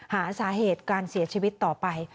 หาสาเหตุการเสียชีวิตต่อไป